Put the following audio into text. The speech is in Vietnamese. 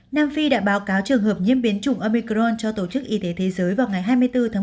nam phi đã báo cáo trường hợp nhiễm biến chủng omicron cho tổ chức y tế thế giới vào ngày hai mươi bốn tháng một mươi